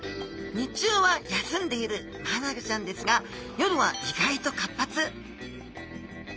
日中は休んでいるマアナゴちゃんですが夜は意外と活発。